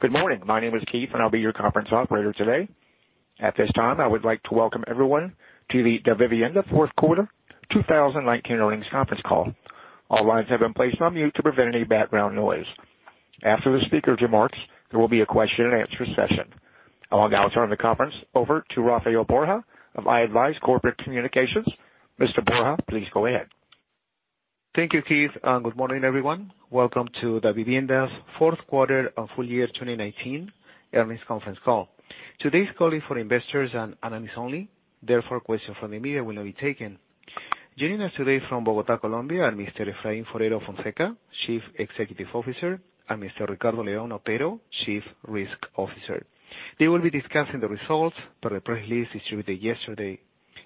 Good morning. My name is Keith, and I'll be your conference operator today. At this time, I would like to welcome everyone to the Davivienda fourth quarter 2019 earnings conference call. All lines have been placed on mute to prevent any background noise. After the speaker's remarks, there will be a question-and-answer session. I'll now turn the conference over to Rafael Borja of iAdvize Corporate Communications. Mr. Borja, please go ahead. Thank you, Keith, and good morning, everyone. Welcome to Davivienda's fourth quarter and full year 2019 earnings conference call. Today's call is for investors and analysts only, therefore, questions from the media will not be taken. Joining us today from Bogota, Colombia are Mr. Efraín Forero Fonseca, Chief Executive Officer, and Mr. Ricardo León Otero, Chief Risk Officer. They will be discussing the results per the press release distributed yesterday.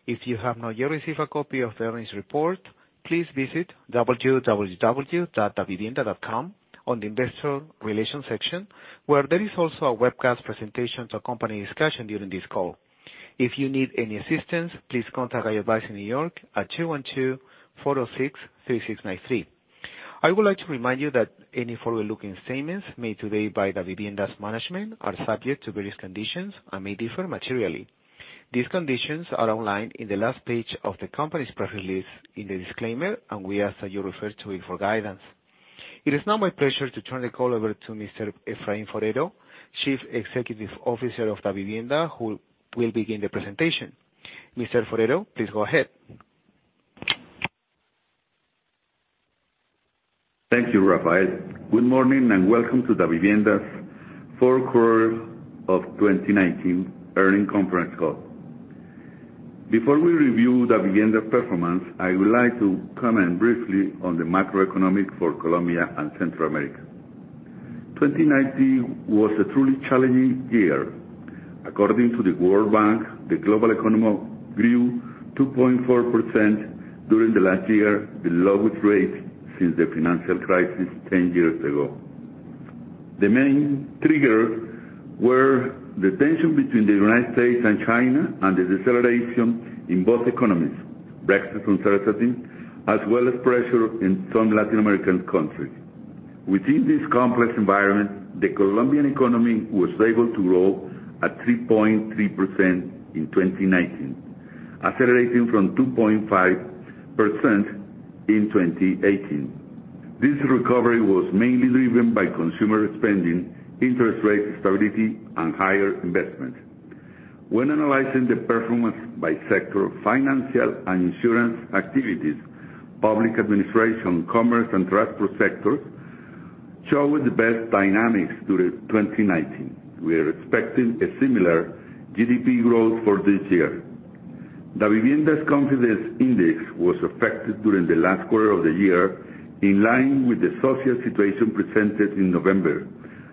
If you have not yet received a copy of the earnings report, please visit www.davivienda.com on the investor relation section, where there is also a webcast presentation to accompany discussion during this call. If you need any assistance, please contact iAdvize in New York at 212-406-3693. I would like to remind you that any forward-looking statements made today by Davivienda's management are subject to various conditions and may differ materially. These conditions are outlined on the last page of the company's press release in the disclaimer, and we ask that you refer to it for guidance. It is now my pleasure to turn the call over to Mr. Efraín Forero, Chief Executive Officer of Davivienda, who will begin the presentation. Mr. Forero, please go ahead. Thank you, Rafael. Good morning and welcome to Davivienda's fourth quarter of 2019 earnings conference call. Before we review Davivienda's performance, I would like to comment briefly on the macroeconomic for Colombia and Central America. 2019 was a truly challenging year. According to the World Bank, the global economy grew 2.4% during the last year, the lowest rate since the financial crisis 10 years ago. The main triggers were the tension between the United States and China and the deceleration in both economies, Brexit uncertainty, as well as pressure in some Latin American countries. Within this complex environment, the Colombian economy was able to grow at 3.3% in 2019, accelerating from 2.5% in 2018. This recovery was mainly driven by consumer spending, interest rate stability, and higher investment. When analyzing the performance by sector, financial and insurance activities, public administration, commerce, and transport sectors showed the best dynamics during 2019. We are expecting a similar GDP growth for this year. Davivienda's Confidence Index was affected during the last quarter of the year in line with the social situation presented in November.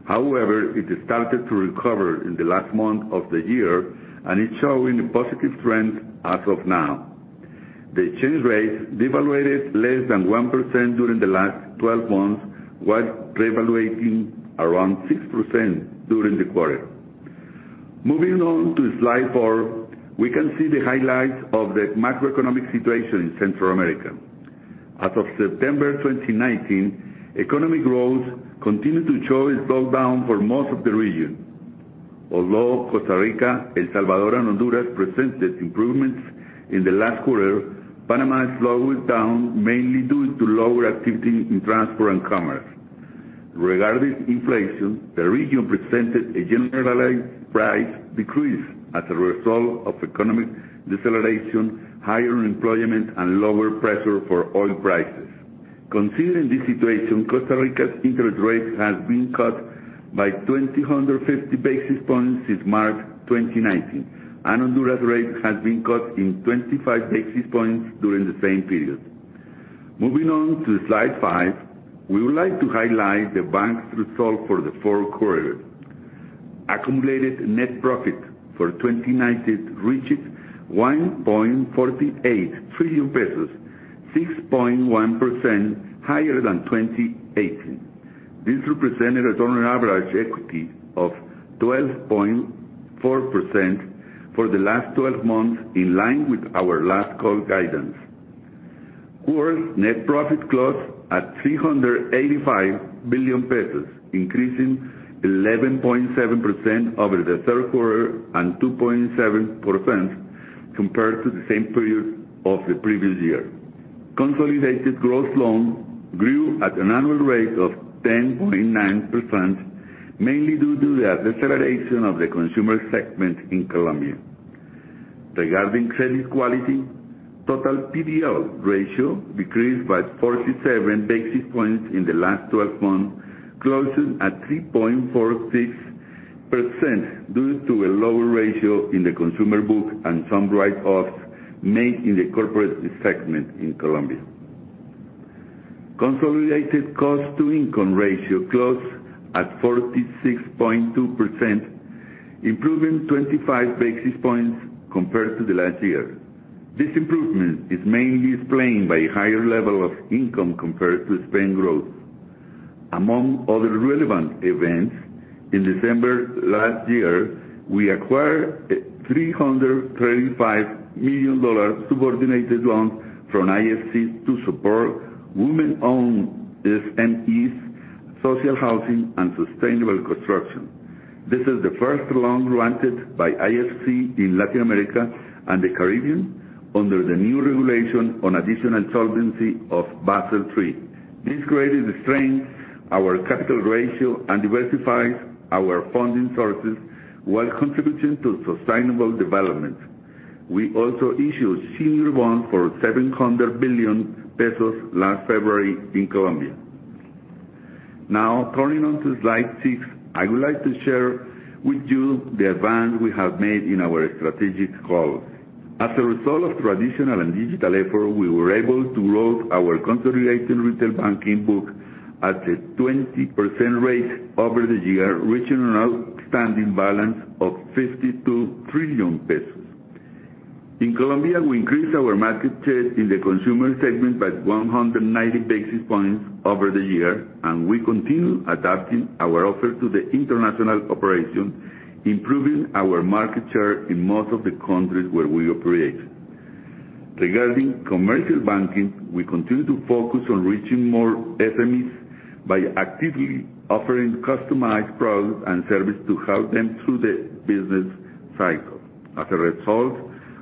However, it started to recover in the last month of the year and is showing a positive trend as of now. The exchange rate devaluated less than 1% during the last 12 months, while revaluating around 6% during the quarter. Moving on to slide four, we can see the highlights of the macroeconomic situation in Central America. As of September 2019, economic growth continued to show a slowdown for most of the region. Although Costa Rica, El Salvador, and Honduras presented improvements in the last quarter, Panama slowed down mainly due to lower activity in transport and commerce. Regarding inflation, the region presented a generalized price decrease as a result of economic deceleration, higher employment, and lower pressure for oil prices. Considering this situation, Costa Rica's interest rate has been cut by 250 basis points since March 2019, and Honduras rate has been cut in 25 basis points during the same period. Moving on to slide five, we would like to highlight the bank's results for the fourth quarter. Accumulated net profit for 2019 reached COP 1.48 trillion, 6.1% higher than 2018. This represented a return on average equity of 12.4% for the last 12 months in line with our last call guidance. Core net profit closed at COP 385 billion, increasing 11.7% over the third quarter and 2.7% compared to the same period of the previous year. Consolidated gross loans grew at an annual rate of 10.9%, mainly due to the acceleration of the consumer segment in Colombia. Regarding credit quality, total PDL ratio decreased by 47 basis points in the last 12 months, closing at 3.46% due to a lower ratio in the consumer book and some write-offs made in the corporate segment in Colombia. Consolidated cost-to-income ratio closed at 46.2%, improving 25 basis points compared to the last year. This improvement is mainly explained by a higher level of income compared to spend growth. Among other relevant events, in December last year, we acquired a $335 million subordinated loan from IFC to support women-owned SMEs, social housing, and sustainable construction. This is the first loan granted by IFC in Latin America and the Caribbean under the new regulation on additional solvency of Basel III. This greatly strengthens our capital ratio and diversifies our funding sources while contributing to sustainable development. We also issued senior bonds for COP 700 billion last February in Colombia. Turning on to slide six, I would like to share with you the advance we have made in our strategic goals. As a result of traditional and digital efforts, we were able to grow our consolidated retail banking book at a 20% rate over the year, reaching an outstanding balance of COP 52 trillion. In Colombia, we increased our market share in the consumer segment by 190 basis points over the year, we continue adapting our offer to the international operation, improving our market share in most of the countries where we operate. Regarding commercial banking, we continue to focus on reaching more SMEs by actively offering customized products and services to help them through the business cycle. As a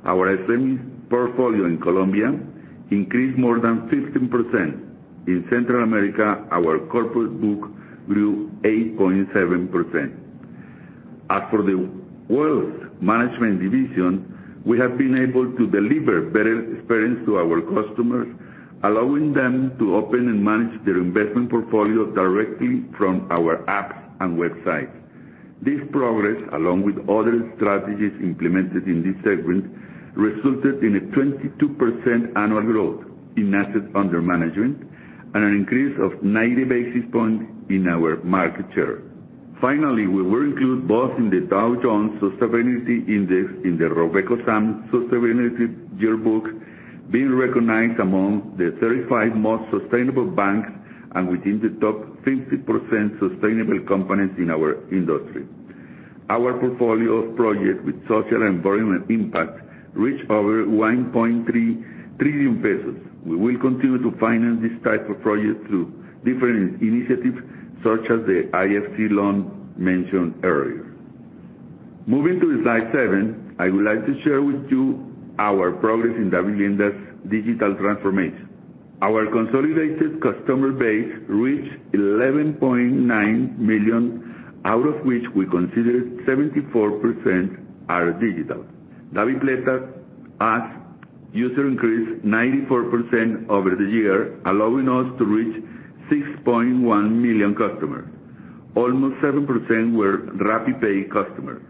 result, our SME portfolio in Colombia increased more than 15%. In Central America, our corporate book grew 8.7%. As for the wealth management division, we have been able to deliver better experience to our customers, allowing them to open and manage their investment portfolio directly from our apps and website. This progress, along with other strategies implemented in this segment, resulted in a 22% annual growth in assets under management and an increase of 90 basis points in our market share. Finally, we were included both in the Dow Jones Sustainability Index in the RobecoSAM Sustainability Yearbook, being recognized among the 35 most sustainable banks and within the top 50% sustainable companies in our industry. Our portfolio of projects with social and environmental impact reached over COP 1.3 trillion. We will continue to finance this type of project through different initiatives such as the IFC loan mentioned earlier. Moving to slide seven, I would like to share with you our progress in Davivienda's digital transformation. Our consolidated customer base reached 11.9 million, out of which we consider 74% are digital. DaviPlata's user increased 94% over the year, allowing us to reach 6.1 million customers. Almost 7% were RappiPay customers.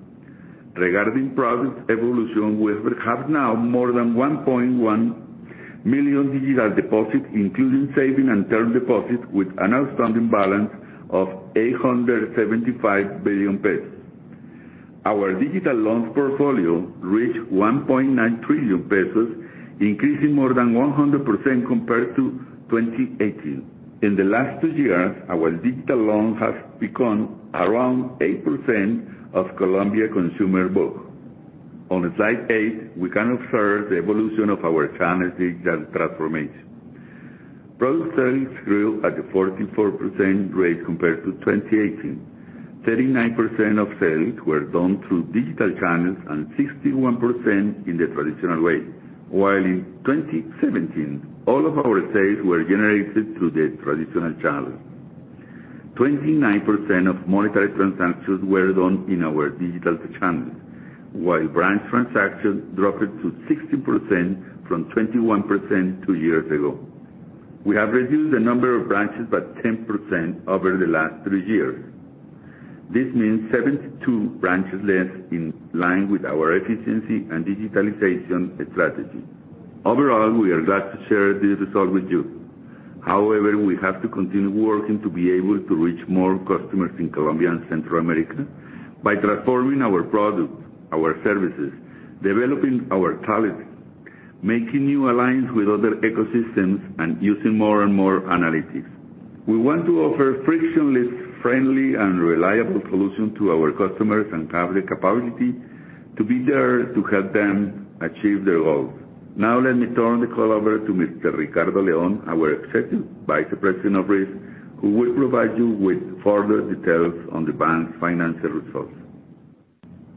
Regarding product evolution, we have now more than 1.1 million digital deposits, including savings and term deposits, with an outstanding balance of COP 875 billion. Our digital loans portfolio reached COP 1.9 trillion, increasing more than 100% compared to 2018. In the last two years, our digital loans have become around 8% of Colombia consumer book. On slide eight, we can observe the evolution of our channel digital transformation. Product sales grew at a 44% rate compared to 2018. 39% of sales were done through digital channels and 61% in the traditional way, while in 2017, all of our sales were generated through the traditional channel. 29% of monetary transactions were done in our digital channels, while branch transactions dropped to 16% from 21% two years ago. We have reduced the number of branches by 10% over the last three years. This means 72 branches less in line with our efficiency and digitalization strategy. Overall, we are glad to share this result with you. However, we have to continue working to be able to reach more customers in Colombia and Central America by transforming our products, our services, developing our talent, making new alliance with other ecosystems, and using more and more analytics. We want to offer frictionless, friendly, and reliable solutions to our customers and have the capability to be there to help them achieve their goals. Now let me turn the call over to Mr. Ricardo León, our Executive Vice President of Risk, who will provide you with further details on the bank's financial results.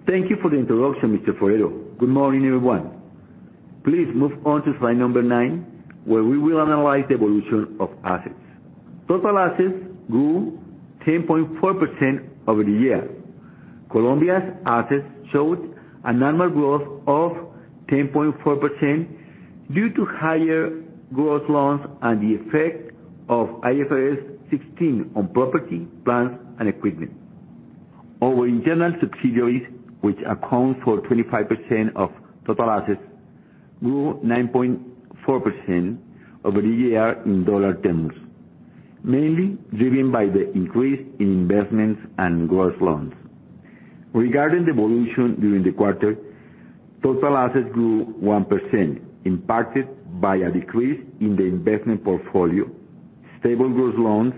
Thank you for the introduction, Mr. Forero. Good morning, everyone. Please move on to slide number nine, where we will analyze the evolution of assets. Total assets grew 10.4% over the year. Colombia's assets showed a normal growth of 10.4% due to higher gross loans and the effect of IFRS 16 on property, plant, and equipment. Our international subsidiaries, which account for 25% of total assets, grew 9.4% over the year in dollar terms, mainly driven by the increase in investments and gross loans. Regarding the evolution during the quarter, total assets grew 1%, impacted by a decrease in the investment portfolio, stable gross loans,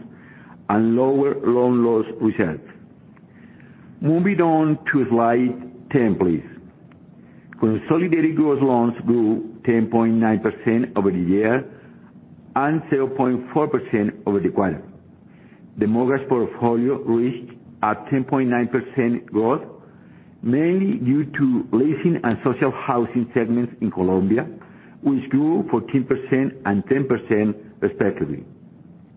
and lower loan loss reserves. Moving on to slide 10, please. Consolidated gross loans grew 10.9% over the year and 0.4% over the quarter. The mortgage portfolio reached a 10.9% growth, mainly due to leasing and social housing segments in Colombia, which grew 14% and 10% respectively.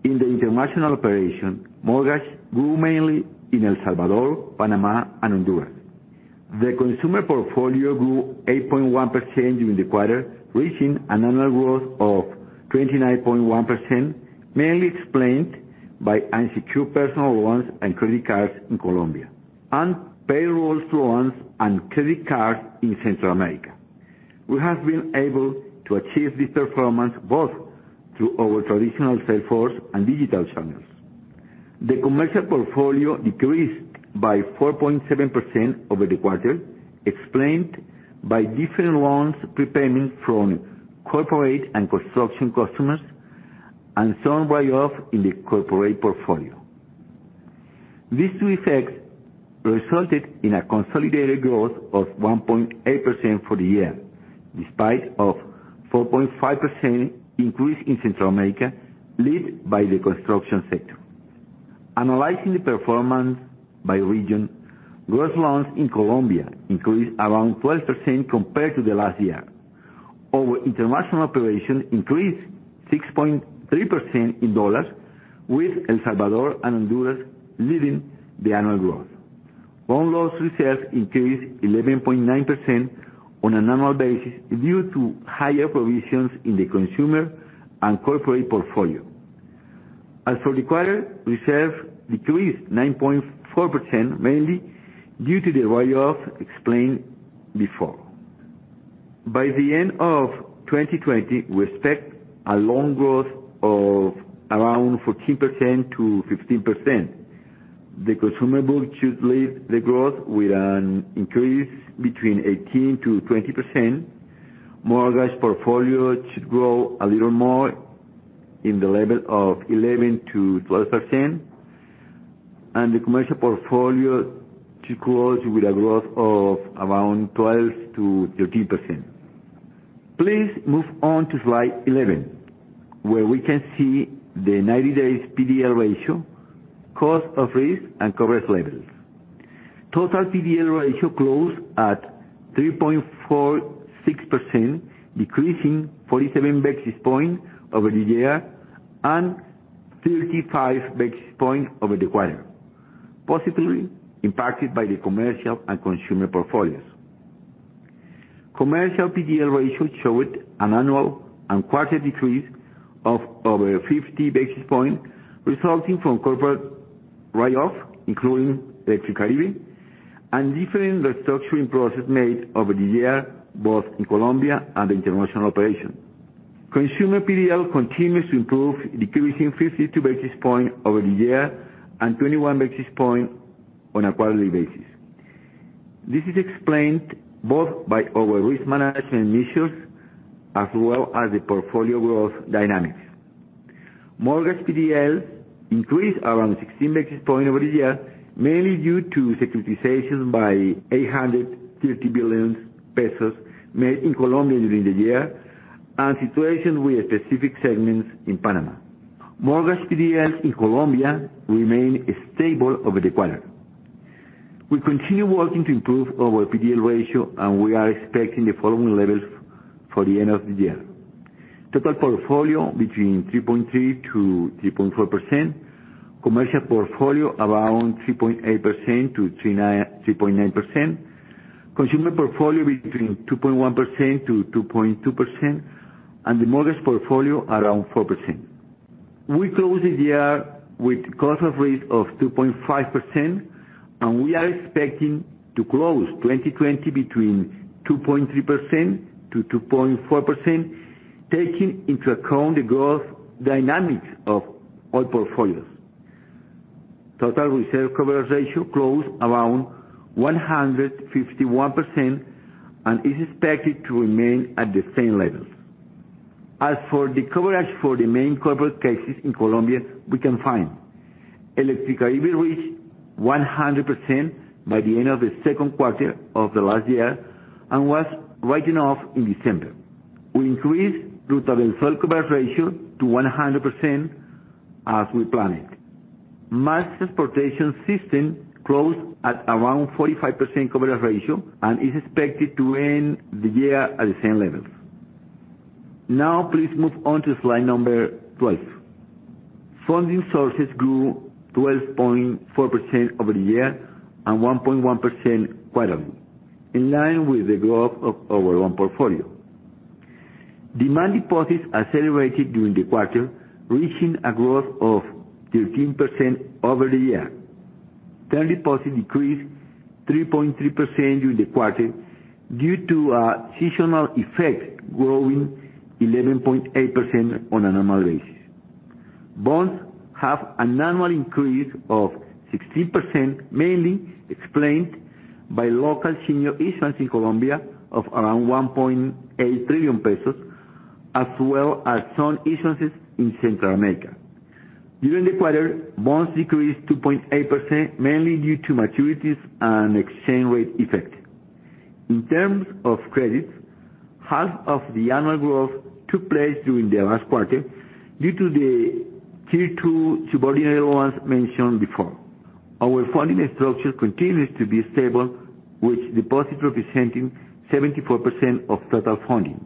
In the international operation, mortgage grew mainly in El Salvador, Panama, and Honduras. The consumer portfolio grew 8.1% during the quarter, reaching an annual growth of 29.1%, mainly explained by unsecured personal loans and credit cards in Colombia, and payrolls loans and credit cards in Central America. We have been able to achieve this performance both through our traditional sales force and digital channels. The commercial portfolio decreased by 4.7% over the quarter, explained by different loans prepayments from corporate and construction customers and some write-off in the corporate portfolio. These two effects resulted in a consolidated growth of 1.8% for the year, despite of 4.5% increase in Central America led by the construction sector. Analyzing the performance by region, gross loans in Colombia increased around 12% compared to the last year. Our international operations increased 6.3% in COP, with El Salvador and Honduras leading the annual growth. Loan loss reserves increased 11.9% on an annual basis due to higher provisions in the consumer and corporate portfolio. As for the quarter, reserves decreased 9.4%, mainly due to the write-off explained before. By the end of 2020, we expect a loan growth of around 14%-15%. The consumer book should lead the growth with an increase between 18%-20%. Mortgage portfolio should grow a little more in the level of 11%-12%. The commercial portfolio should close with a growth of around 12%-13%. Please move on to slide 11, where we can see the 90-days PDL ratio, cost of risk, and coverage levels. Total PDL ratio closed at 3.46%, decreasing 47 basis points over the year and 35 basis points over the quarter, positively impacted by the commercial and consumer portfolios. Commercial PDL ratio showed an annual and quarter decrease of over 50 basis points, resulting from corporate write-off, including Electricaribe, and different restructuring process made over the year, both in Colombia and the international operation. Consumer PDL continues to improve, decreasing 52 basis points over the year and 21 basis points on a quarterly basis. This is explained both by our risk management measures as well as the portfolio growth dynamics. Mortgage PDL increased around 16 basis points over the year, mainly due to securitizations by COP 830 billion made in Colombia during the year and situation with specific segments in Panama. Mortgage PDL in Colombia remained stable over the quarter. We continue working to improve our PDL ratio. We are expecting the following levels for the end of the year. Total portfolio between 3.3%-3.4%. Commercial portfolio around 3.8%-3.9%. Consumer portfolio between 2.1%-2.2%. The mortgage portfolio around 4%. We closed the year with cost of risk of 2.5%. We are expecting to close 2020 between 2.3%-2.4%, taking into account the growth dynamics of all portfolios. Total reserve coverage ratio closed around 151%. It is expected to remain at the same levels. As for the coverage for the main corporate cases in Colombia, we can find Electricaribe reached 100% by the end of the second quarter of the last year and was written off in December. We increased Ruta del Sol coverage ratio to 100% as we planned. Mass Transportation System closed at around 45% coverage ratio and is expected to end the year at the same levels. Please move on to slide number 12. Funding sources grew 12.4% over the year and 1.1% quarterly, in line with the growth of our loan portfolio. Demand deposits accelerated during the quarter, reaching a growth of 13% over the year. Term deposits decreased 3.3% during the quarter due to a seasonal effect growing 11.8% on an annual basis. Bonds have an annual increase of 16%, mainly explained by local senior issuance in Colombia of around COP 1.8 trillion, as well as some issuances in Central America. During the quarter, bonds decreased 2.8%, mainly due to maturities and exchange rate effect. In terms of credits, half of the annual growth took place during the last quarter due to the Tier 2 subordinated loans mentioned before. Our funding structure continues to be stable, with deposits representing 74% of total funding.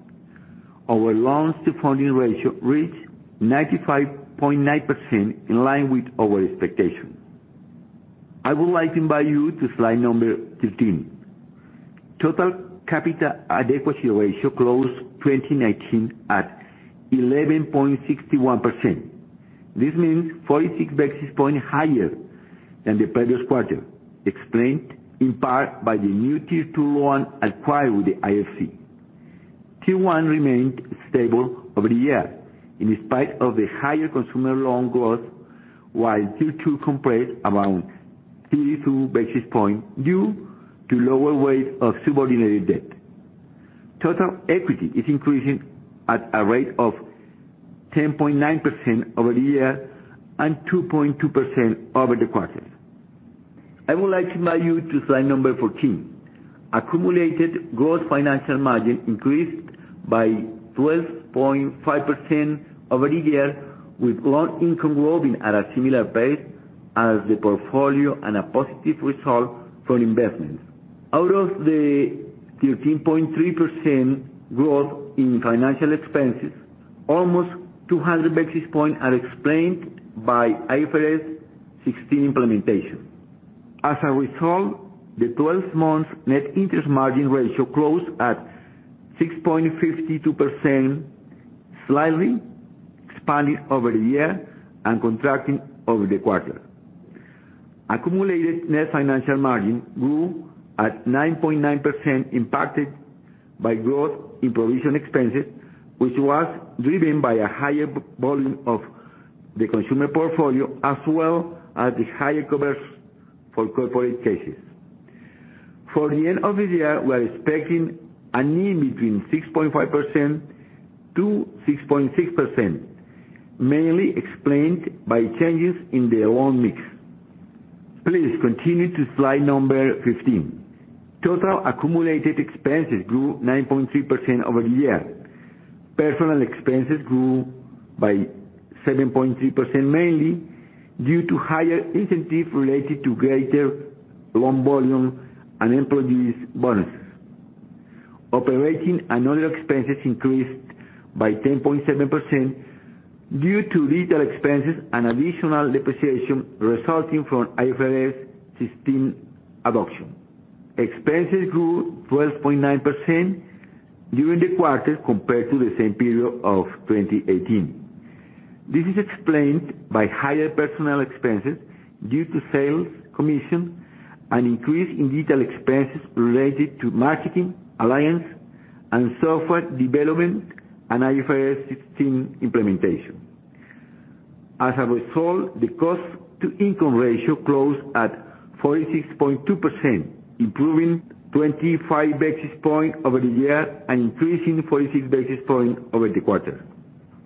Our loans-to-funding ratio reached 95.9%, in line with our expectations. I would like to invite you to slide number 13. Total capital adequacy ratio closed 2019 at 11.61%. This means 46 basis points higher than the previous quarter, explained in part by the new Tier 2 loan acquired with the IFC. Tier 1 remained stable over the year in spite of the higher consumer loan growth, while Tier 2 compressed around 32 basis points due to lower weight of subordinated debt. Total equity is increasing at a rate of 10.9% over the year and 2.2% over the quarter. I would like to invite you to slide number 14. Accumulated gross financial margin increased by 12.5% over the year, with loan income growing at a similar pace as the portfolio and a positive result from investments. Out of the 13.3% growth in financial expenses, almost 200 basis points are explained by IFRS 16 implementation. As a result, the 12 months net interest margin ratio closed at 6.52%, slightly expanding over the year and contracting over the quarter. Accumulated net financial margin grew at 9.9%, impacted by growth in provision expenses, whic h was driven by a higher volume of the consumer portfolio, as well as the higher coverage for corporate cases. For the end of the year, we are expecting a NIM between 6.5%-6.6%, mainly explained by changes in the loan mix. Please continue to slide number 15. Total accumulated expenses grew 9.3% over the year. Personnel expenses grew by 7.3%, mainly due to higher incentive related to greater loan volume and employees' bonuses. Operating and other expenses increased by 10.7% due to digital expenses and additional depreciation resulting from IFRS 16 adoption. Expenses grew 12.9% during the quarter compared to the same period of 2018. This is explained by higher personnel expenses due to sales commission, an increase in digital expenses related to marketing, alliance, and software development, and IFRS 16 implementation. As a result, the cost-to-income ratio closed at 46.2%, improving 25 basis points over the year and increasing 46 basis points over the quarter.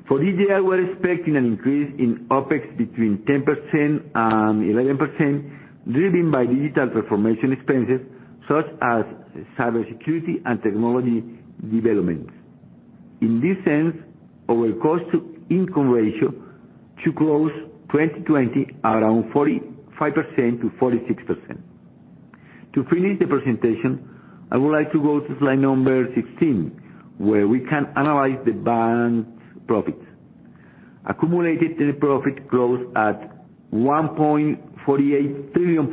For this year, we are expecting an increase in OpEx between 10% and 11%, driven by digital transformation expenses such as cybersecurity and technology development. In this sense, our cost-to-income ratio should close 2020 around 45%-46%. To finish the presentation, I would like to go to slide number 16, where we can analyze the bank's profits. Accumulated net profit growth at COP 1.48 trillion,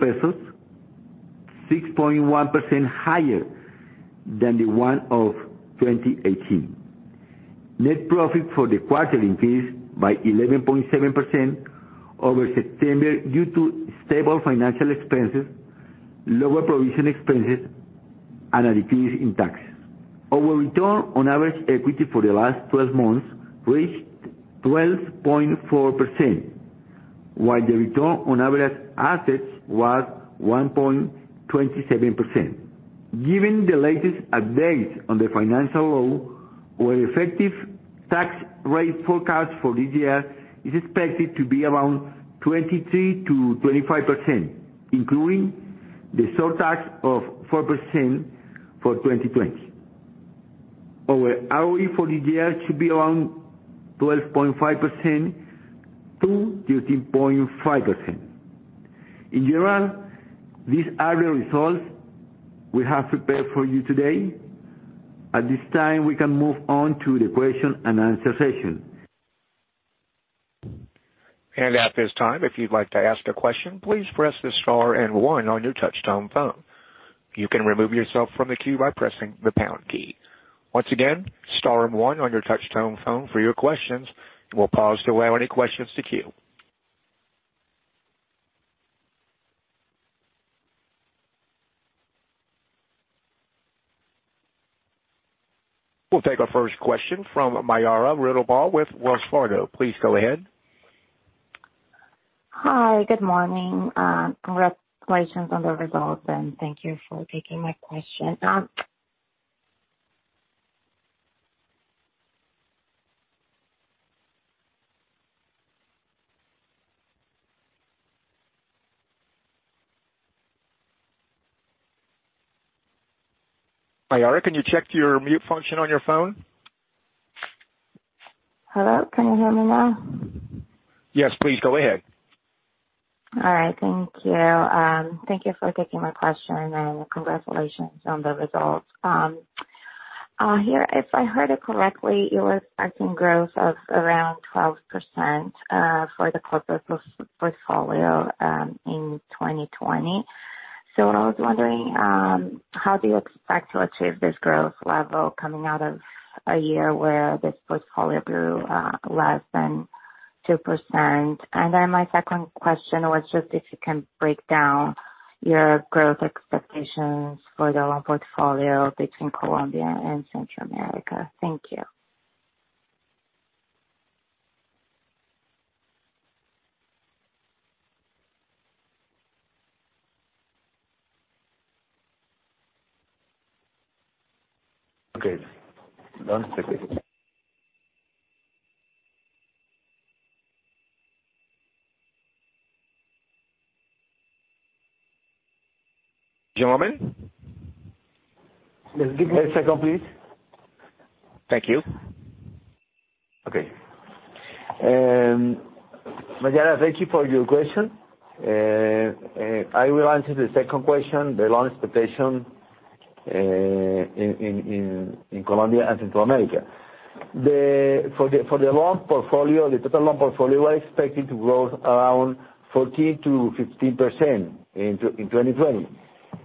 6.1% higher than the one of 2018. Net profit for the quarter increased by 11.7% over September due to stable financial expenses, lower provision expenses, and a decrease in taxes. Our return on average equity for the last 12 months reached 12.4%, while the return on average assets was 1.27%. Given the latest updates on the financial law, our effective tax rate forecast for this year is expected to be around 23%-25%, including the surtax of 4% for 2020. Our ROE for this year should be around 12.5%-13.5%. In general, these are the results we have prepared for you today. At this time, we can move on to the question-and-answer session. At this time, if you'd like to ask a question, please press the star and one on your touch-tone phone. You can remove yourself from the queue by pressing the pound key. Once again, star and one on your touch-tone phone for your questions. We'll pause to allow any questions to queue. We'll take our first question from Mayara Riddlebaugh with Wells Fargo. Please go ahead. Hi, good morning. Congratulations on the results and thank you for taking my question. Mayara, can you check your mute function on your phone? Hello, can you hear me now? Yes, please go ahead. All right, thank you. Thank you for taking my question, and congratulations on the results. If I heard it correctly, you were expecting growth of around 12% for the corporate portfolio in 2020. What I was wondering, how do you expect to achieve this growth level coming out of a year where this portfolio grew less than 2%? My second question was just if you can break down your growth expectations for the loan portfolio between Colombia and Central America. Thank you. Okay. One second. Gentlemen? Just give me a second, please. Thank you. Okay. Mayara, thank you for your question. I will answer the second question, the loan expectation in Colombia and Central America. For the total loan portfolio, we are expecting to grow around 14%-15% in 2020.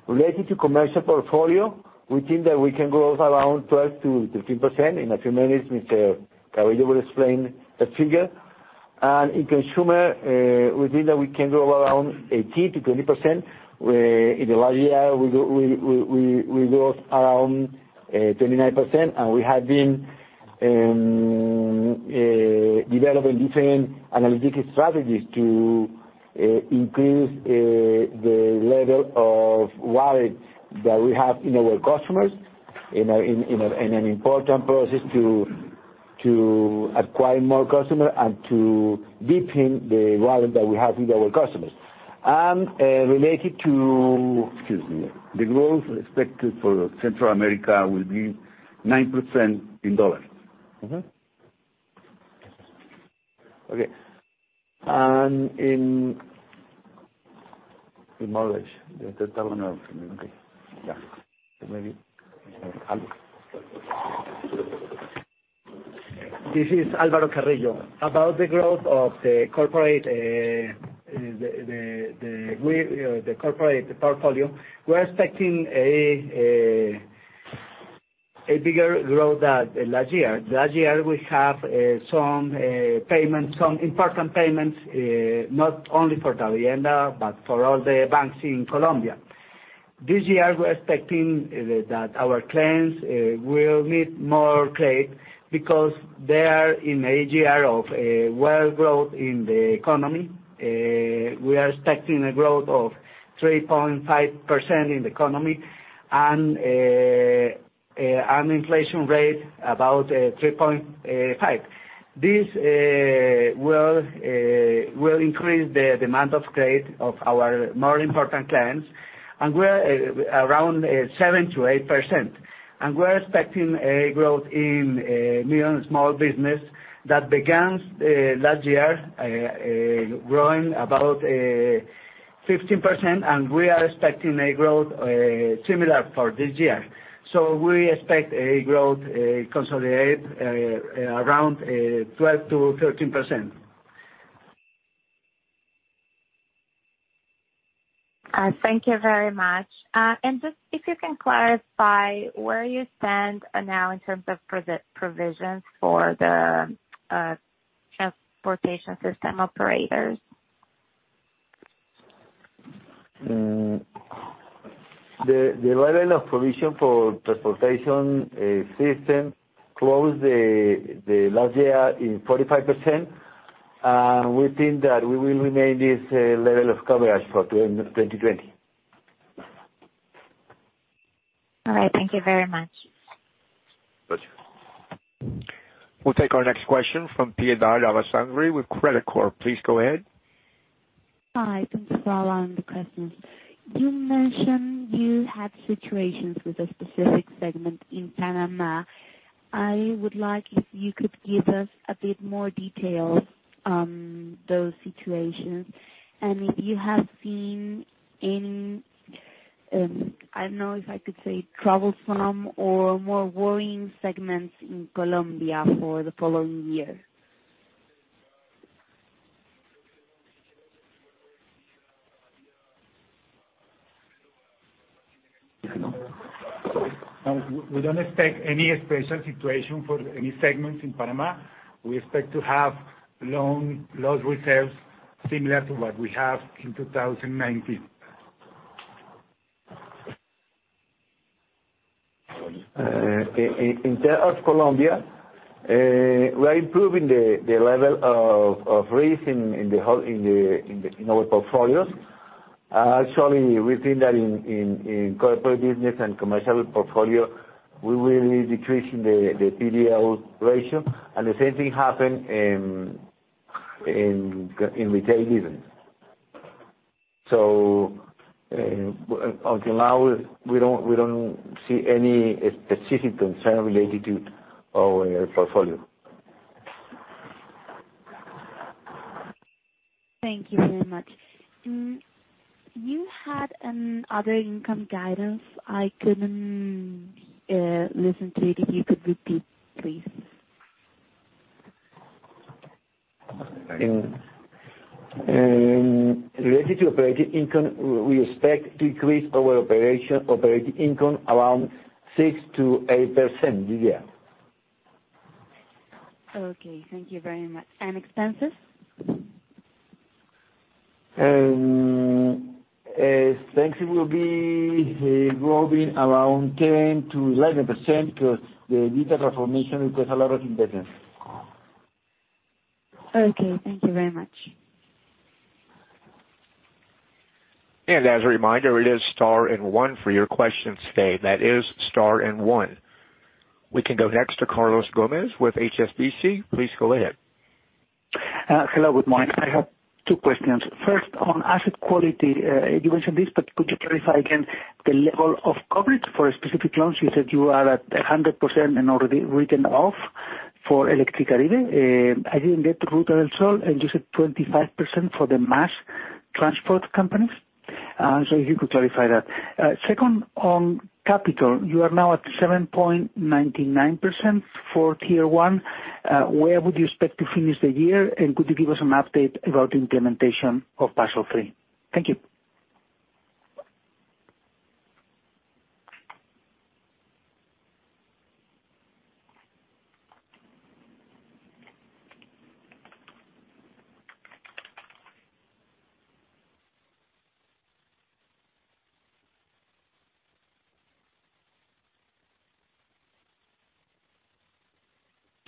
Related to commercial portfolio, we think that we can grow around 12%-13%. In a few minutes, Mr. Carrillo will explain that figure. In consumer, we think that we can grow around 18%-20%, where in the last year, we grew around 29%, and we have been developing different analytical strategies to increase the level of wallet that we have in our customers in an important process to acquire more customer and to deepen the wallet that we have with our customers. Related to, excuse me, the growth expected for Central America will be 9% in dollars. Okay. In knowledge, the total amount, okay. Yeah. Maybe Álvaro. This is Álvaro Carrillo. About the growth of the corporate portfolio, we're expecting a bigger growth than last year. Last year, we have some important payments, not only for Davivienda, but for all the banks in Colombia. This year, we're expecting that our clients will need more credit because they are in a year of world growth in the economy. We are expecting a growth of 3.5% in the economy and an inflation rate about 3.5%. This will increase the demand of credit of our more important clients, around 7%-8%. We're expecting a growth in medium and small business that began last year, growing about 15%, and we are expecting a growth similar for this year. We expect a growth, consolidated, around 12%-13%. Thank you very much. Just if you can clarify where you stand now in terms of provisions for the transportation system operators? The level of provision for transportation system closed the last year in 45%. We think that we will remain this level of coverage for 2020. All right, thank you very much. We'll take our next question from Piedad Alessandri with Credicorp. Please go ahead. Hi, thanks for allowing the questions. You mentioned you had situations with a specific segment in Panama. I would like if you could give us a bit more detail on those situations. If you have seen any, I don't know if I could say troublesome or more worrying segments in Colombia for the following year. We don't expect any special situation for any segments in Panama. We expect to have loan loss reserves similar to what we have in 2019. In terms of Colombia, we are improving the level of risk in our portfolios. Actually, we think that in corporate business and commercial portfolio, we will be decreasing the PDL ratio, and the same thing happened in retail business. Until now, we don't see any specific concern related to our portfolio. Thank you very much. You had other income guidance. I couldn't listen to it. If you could repeat, please. Related to operating income, we expect to increase our operating income around 6%-8% this year. Okay. Thank you very much. Expenses? Expenses will be growing around 10%-11% because the digital transformation requires a lot of investment. Okay. Thank you very much. As a reminder, it is star and one for your questions today. That is star and one. We can go next to Carlos Gomez with HSBC. Please go ahead. Hello, good morning. I have two questions. First, on asset quality, you mentioned this, but could you clarify again the level of coverage for specific loans? You said you are at 100% and already written off for Electricaribe. I didn't get Ruta del Sol, and you said 25% for the mass transport companies. If you could clarify that. Second, on capital, you are now at 7.99% for Tier 1. Where would you expect to finish the year? Could you give us an update about the implementation of Basel III? Thank you.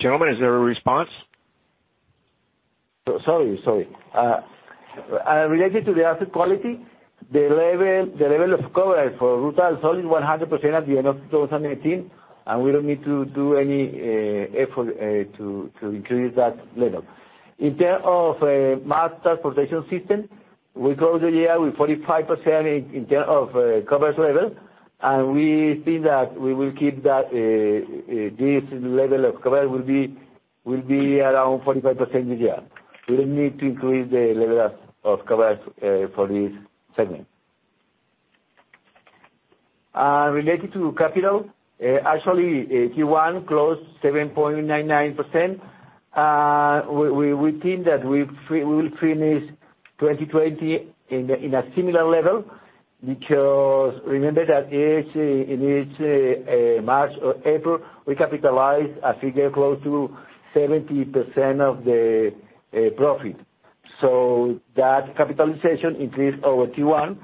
Gentlemen, is there a response? Sorry. Related to the asset quality, the level of coverage for Ruta del Sol is 100% at the end of 2018, and we don't need to do any effort to increase that level. In terms of Mass Transportation System, we close the year with 45% in terms of coverage level, and we think that we will keep that this level of coverage will be around 45% this year. We don't need to increase the level of coverage for this segment. Related to capital, actually, Q1 closed 7.99%. We think that we will finish 2020 in a similar level, because remember that in each March or April, we capitalize a figure close to 70% of the profit. That capitalization increased our T1,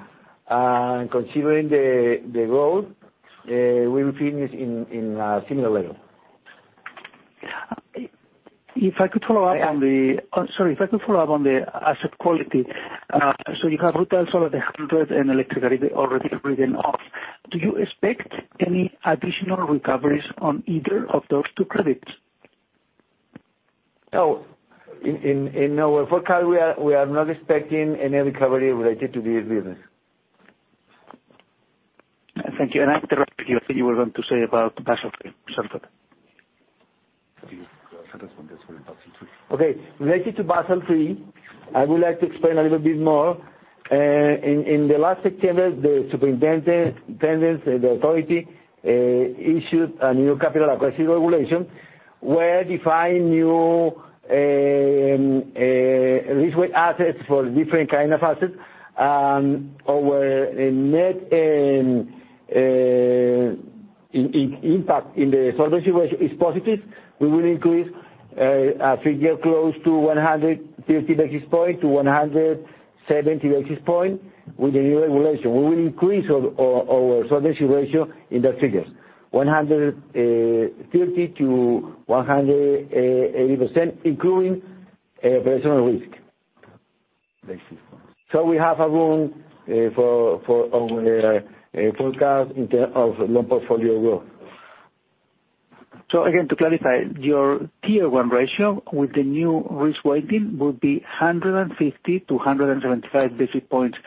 and considering the growth, we will finish in a similar level. If I could follow up on the asset quality. You have Ruta del Sol at 100 and Electricaribe already written off. Do you expect any additional recoveries on either of those two credits? No. In our forecast, we are not expecting any recovery related to these businesses. Thank you. I interrupted you. I think you were going to say about Basel III something. Okay. Related to Basel III, I would like to explain a little bit more. In the last September, the superintendents and the authority issued a new capital acquisition regulation where define new risk weight assets for different kind of assets. Our net impact in the solvency ratio is positive. We will increase a figure close to 150 basis point to 170 basis point with the new regulation. We will increase our solvency ratio in that figures, 150%-180%, including personal risk. We have a room for our forecast in terms of loan portfolio growth. Again, to clarify, your Tier 1 ratio with the new risk weighting would be 150-175 basis points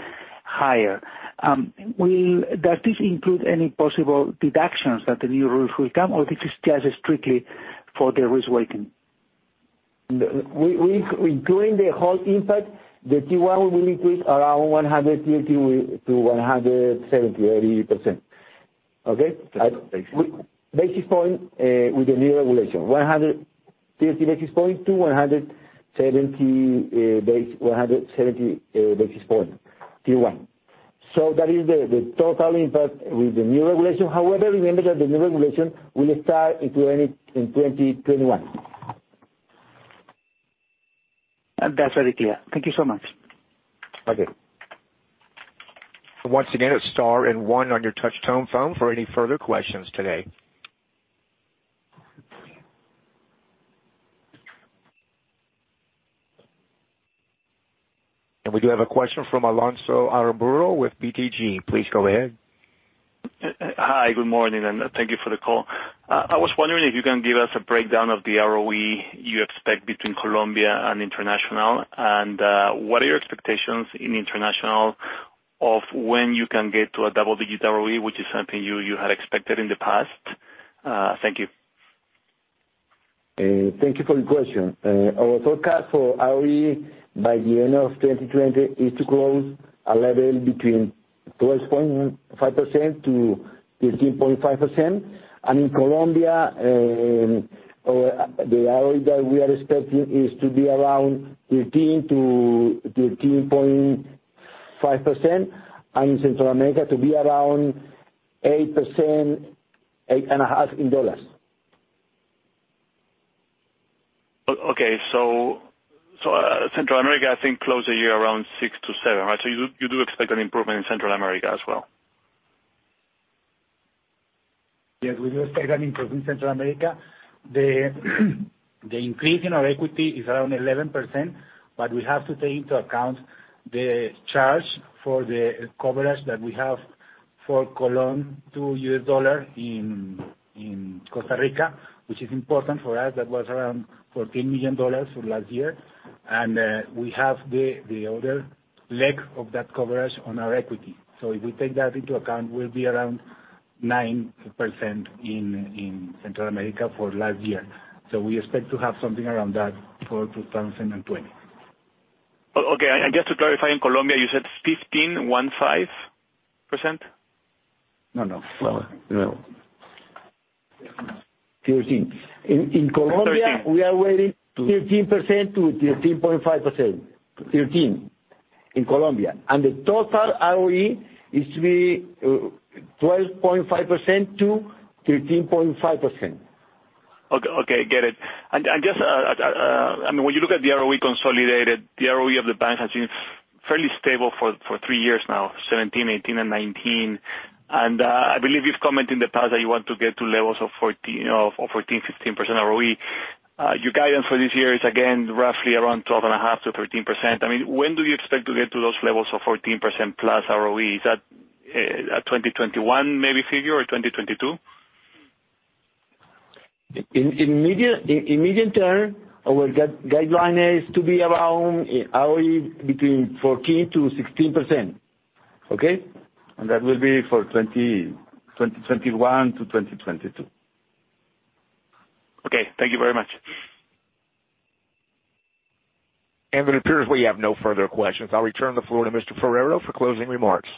higher. Does this include any possible deductions that the new rules will come, or this is just strictly for the risk weighting? Including the whole impact, the Tier 1 will increase around 150%-170%, 180%. Okay? Basis points with the new regulation, 150-170 basis points Tier 1. That is the total impact with the new regulation. However, remember that the new regulation will start in 2021. That's very clear. Thank you so much. Okay. Once again, it's star and one on your touch-tone phone for any further questions today. We do have a question from Alonso Aramburú with BTG. Please go ahead. Hi, good morning, and thank you for the call. I was wondering if you can give us a breakdown of the ROE you expect between Colombia and international, and what are your expectations in international of when you can get to a double-digit ROE, which is something you had expected in the past? Thank you. Thank you for the question. Our forecast for ROE by the end of 2020 is to close a level between 12.5%-13.5%. In Colombia, the ROE that we are expecting is to be around 13%-13.5%, and in Central America to be around 8%, 8.5% in dollars. Okay. Central America, I think, closed the year around six to seven, right? You do expect an improvement in Central America as well. We do expect an improvement in Central America. The increase in our equity is around 11%, we have to take into account the charge for the coverage that we have for colón to US dollar in Costa Rica, which is important for us. That was around $14 million for last year. We have the other leg of that coverage on our equity. If we take that into account, we'll be around 9% in Central America for last year. We expect to have something around that for 2020. Okay. Just to clarify, in Colombia, you said 15%, 15%? No, no. 13%. In Colombia- 13% we are waiting 13%-13.5%. 13% in Colombia. The total ROE is to be 12.5%-13.5%. Okay. Get it. Just, when you look at the ROE consolidated, the ROE of the bank has been fairly stable for three years now, 2017, 2018, and 2019. I believe you've commented in the past that you want to get to levels of 14% or 15% ROE. Your guidance for this year is again, roughly around 12.5% to 13%. When do you expect to get to those levels of 14%+ ROE? Is that a 2021 maybe figure or 2022? In medium-term, our guideline is to be around ROE between 14%-16%. Okay? That will be for 2021-2022. Okay. Thank you very much. It appears we have no further questions. I'll return the floor to Mr. Forero for closing remarks.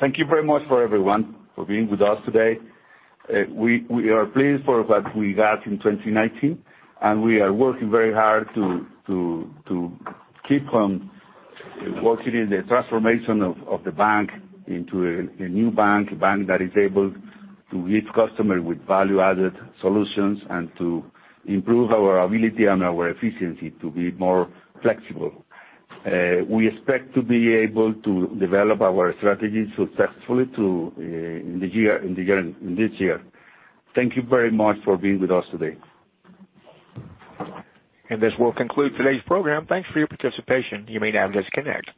Thank you very much for everyone for being with us today. We are pleased for what we got in 2019, and we are working very hard to keep on working in the transformation of the bank into a new bank, a bank that is able to give customer with value added solutions and to improve our ability and our efficiency to be more flexible. We expect to be able to develop our strategy successfully in this year. Thank you very much for being with us today. This will conclude today's program. Thanks for your participation. You may now disconnect.